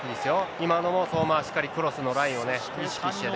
今のも相馬はしっかりクロスのラインをね、意識してね。